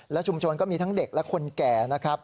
และชุมชนก็มีทั้งเด็กและคนแก่นะครับ